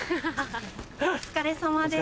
お疲れさまです。